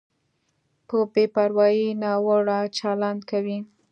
په بې پروایۍ ناوړه چلند کوي.